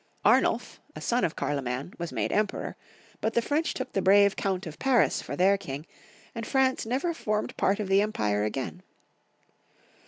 Amulf, a son of Karloman, was made Emperor, but the French took the brave Count of Paris for their king, and France never formed part of the empire again.